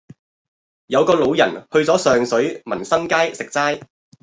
有個老人去左上水民生街食齋